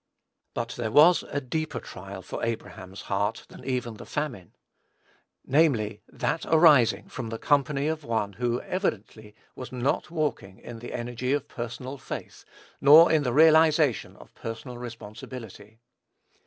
But there was a deeper trial for Abraham's heart than even the famine, namely, that arising from the company of one who evidently was not walking in the energy of personal faith, nor in the realization of personal responsibility.